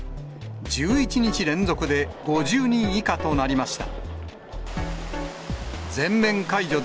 １１日連続で５０人以下となりました。